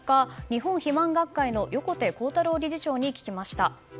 日本肥満学会の横手幸太郎理事長に聞きました。